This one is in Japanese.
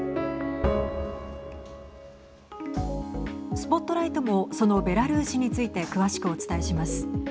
ＳＰＯＴＬＩＧＨＴもそのベラルーシについて詳しくお伝えします。